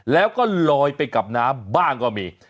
แล้วก็ลอยไปกับน้ำบ้างก็มี